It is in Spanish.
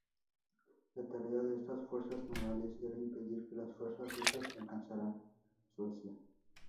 La tarea de estas fuerzas navales era impedir que las fuerzas rusas alcanzaran Suecia.